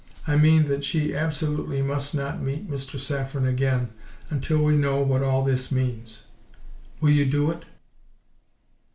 I mean, that she absolutely MUST NOT meet Mr. Saffren again until we know what all this means. Will you do it?"